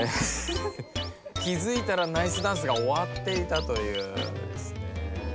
気づいたらナイスダンスがおわっていたという。